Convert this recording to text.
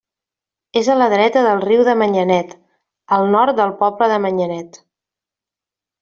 És a la dreta del riu de Manyanet, al nord del poble de Manyanet.